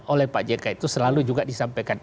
oleh pak jk itu selalu juga disampaikan